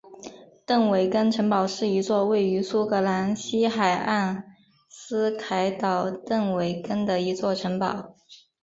邓韦根城堡是一座位于苏格兰西海岸斯凯岛邓韦根的一座城堡。